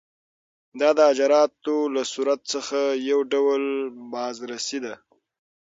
دا د اجرااتو له صورت څخه یو ډول بازرسي ده.